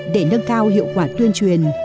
để nâng cao hiệu quả tuyên truyền